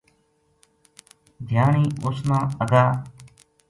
دھیانی اس نا اگا